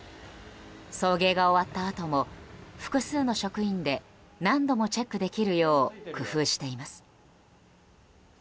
送迎が終わったあとも複数の職員で何度もチェックできるよう工夫しています。